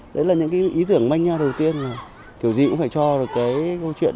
đấy là những ý tưởng manh nha đầu tiên là kiểu gì cũng phải cho được câu chuyện